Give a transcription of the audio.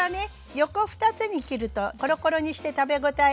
横２つに切るとコロコロにして食べ応え。